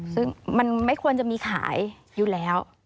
ซึ่งมันไม่ควรจะมีขายอยู่แล้ว